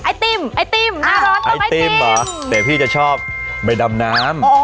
ไอติมไอติมหน้าร้อนต้องไอติมไอติมเหรอแต่พี่จะชอบไปดำน้ำอ๋อ